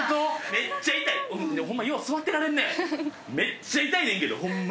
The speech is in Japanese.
めっちゃ痛いねんけどホンマ。